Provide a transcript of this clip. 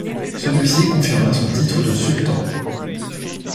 Celui-ci confirma son titre de sultan.